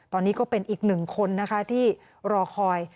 ตอนนี้ก็เป็นอีกหนึ่งคนนะคะที่รอคอย